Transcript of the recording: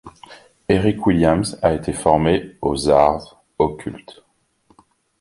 Eric Williams a été formé aux arts occultes.